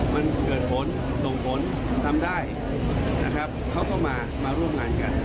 มันเกิดผลส่งผลทำได้นะครับเขาก็มามาร่วมงานกัน